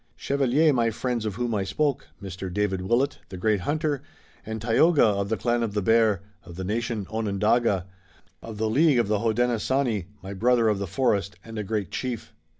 Chevalier my friends of whom I spoke, Mr. David Willet, the great hunter, and Tayoga of the clan of the Bear, of the nation Onondaga, of the League of the Hodenosaunee, my brother of the forest and a great chief."